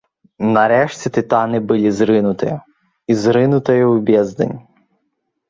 Нарэшце тытаны былі зрынутыя і зрынутыя ў бездань.